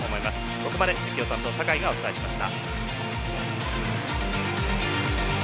ここまで実況担当酒井がお伝えしました。